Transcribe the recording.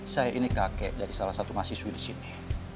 saya ini kakek dari salah satu mahasiswi disini